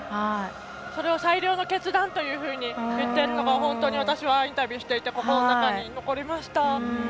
それを最良の決断というふうに言っているのが本当に私はインタビューして心の中に残りました。